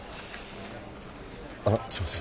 あのすいません